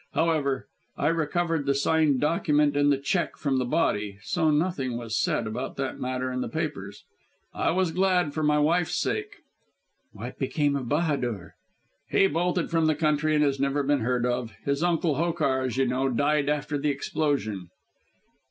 However, I recovered the signed document and the cheque from the body, so nothing was said about that matter in the papers. I was glad for my wife's sake." "What became of Bahadur?" "He bolted from the country and has never been heard of. His uncle, Hokar, as you know, died after the explosion."